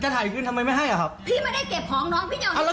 แล้วทำไมไม่รับผิดชอบให้